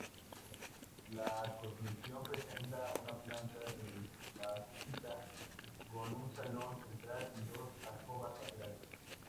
La construcción presenta una planta tripartita, con un salón central y dos alcobas laterales.